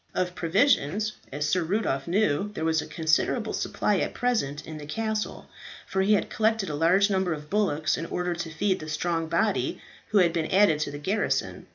Of provisions, as Sir Rudolph knew, there was a considerable supply at present in the castle, for he had collected a large number of bullocks in order to feed the strong body who had been added to the garrison.